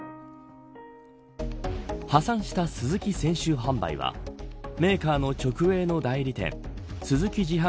破産したスズキ泉州販売はメーカーの直営の代理店スズキ自販